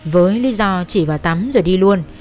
với lý do chỉ vào tắm rồi đi luôn